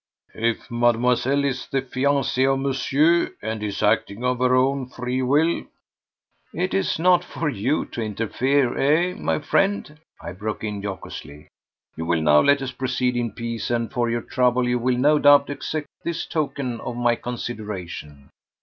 "If Mademoiselle is the fiancée of Monsieur, and is acting of her own free will—" "It is not for you to interfere, eh, my friend?" I broke in jocosely. "You will now let us proceed in peace, and for your trouble you will no doubt accept this token of my consideration."